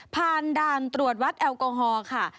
ผ่านด่านตรวจวัดแอลกอฮอล์ค่ะ